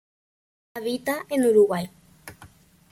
Habita en Uruguay.